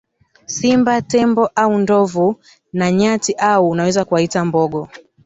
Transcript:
Simba Tembo au ndovu na nyati au unaweza kuwaita mbogo